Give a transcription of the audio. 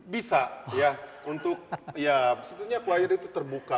bisa ya sebenarnya choir itu terbuka